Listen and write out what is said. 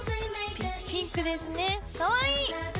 ピンクですねかわいい！